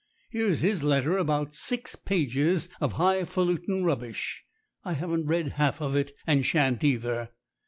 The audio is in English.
Here's his letter about six pages of high falutin rubbish. I haven't read half of it, and shan't either.